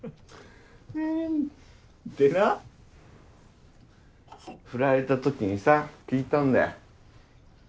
でなフラれた時にさ聞いたんだよ。